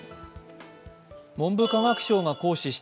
文部科学省が行使した